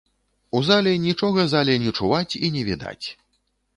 У зале нічога зале не чуваць і не відаць.